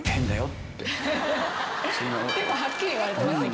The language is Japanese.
結構はっきり言われてますね。